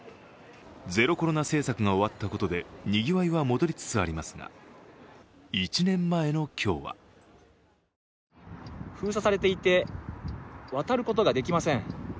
ゼロコロナ政策が終わったことでにぎわいは戻りつつありますが、１年前の今日は封鎖されていて、渡ることができません。